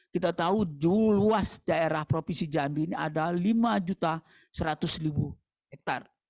kita tahu luas daerah provinsi jambi ini ada lima seratus hektare